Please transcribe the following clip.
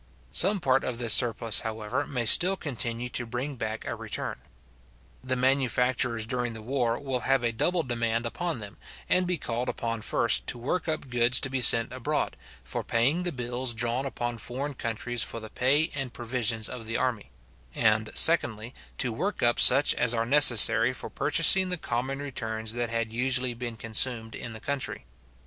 Some part of this surplus, however, may still continue to bring back a return. The manufacturers during; the war will have a double demand upon them, and be called upon first to work up goods to be sent abroad, for paying the bills drawn upon foreign countries for the pay and provisions of the army: and, secondly, to work up such as are necessary for purchasing the common returns that had usually been consumed in the country.